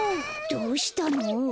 どうしたの？